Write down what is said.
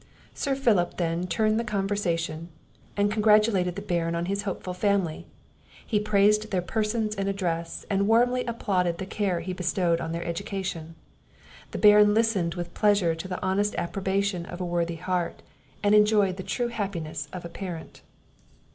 Sir Philip then turned the conversation, and congratulated the Baron on his hopeful family; he praised their persons and address, and warmly applauded the care he bestowed on their education. The Baron listened with pleasure to the honest approbation of a worthy heart, and enjoyed the true happiness of a parent.